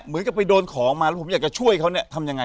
เหมือนกับไปโดนของมาแล้วผมอยากจะช่วยเขาเนี่ยทำยังไง